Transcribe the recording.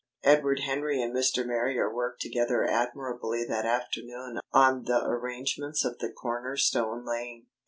Edward Henry and Mr. Marrier worked together admirably that afternoon on the arrangements for the corner stone laying.